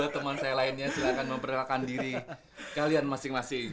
teman saya lainnya silahkan memperkenalkan diri kalian masing masing